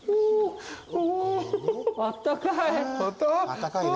あったかい。